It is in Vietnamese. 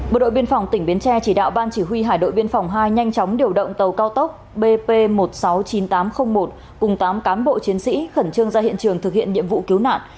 bộ đội biên phòng tỉnh bến tre chỉ đạo ban chỉ huy hải đội biên phòng hai nhanh chóng điều động tàu cao tốc bp một trăm sáu mươi chín nghìn tám trăm linh một cùng tám cán bộ chiến sĩ khẩn trương ra hiện trường thực hiện nhiệm vụ cứu nạn